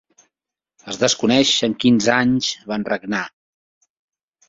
Es desconeix en quins anys van regnar.